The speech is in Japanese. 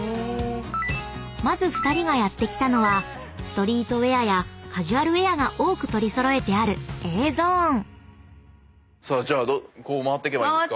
［まず２人がやって来たのはストリートウエアやカジュアルウエアが多く取り揃えてあるＡゾーン］さあじゃあこう回ってけばいいんですか？